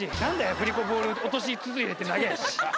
「振子ボール落とし筒入れ」って長ぇし。